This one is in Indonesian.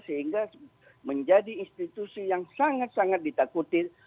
sehingga menjadi institusi yang sangat sangat ditakutin